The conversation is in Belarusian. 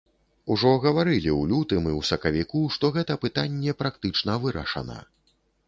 Ужо гаварылі ў лютым і ў сакавіку, што гэта пытанне практычна вырашана.